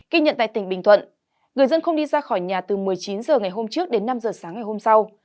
ghi nhận tại tỉnh bình thuận người dân không đi ra khỏi nhà từ một mươi chín h ngày hôm trước đến năm h sáng ngày hôm sau